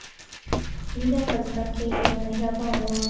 مینه په زړه کې ډېره مهربانه وه